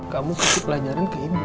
kamu kasih pelajaran ke ibu